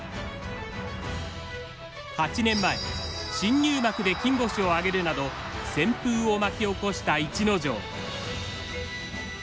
８年前新入幕で金星をあげるなど旋風を巻き起こした逸ノ城。